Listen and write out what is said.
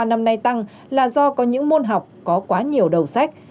một nguyên nhân này tăng là do có những môn học có quá nhiều đầu sách